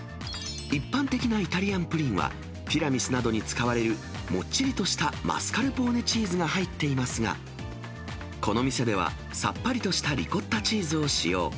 一般的なイタリアンプリンは、ティラミスなどに使われる、もっちりとしたマスカルポーネチーズが入っていますが、この店では、さっぱりとしたリコッタチーズを使用。